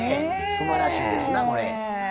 すばらしいですな。